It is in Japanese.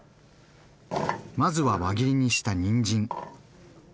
まずは輪切りにしたにんじん。